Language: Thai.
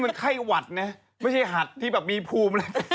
ไม่ใช่หัดถึงันแบบแม่งมีภูมิ